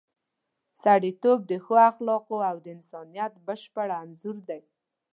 سړیتوب د ښو اخلاقو او د انسانیت بشپړ انځور دی.